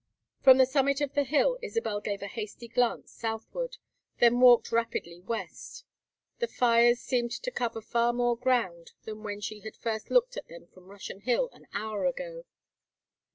From the summit of the hill Isabel gave a hasty glance southward, then walked rapidly west; the fires seemed to cover far more ground than when she had first looked at them from Russian Hill, an hour ago.